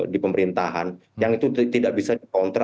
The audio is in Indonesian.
di pemerintahan yang itu tidak bisa di kontra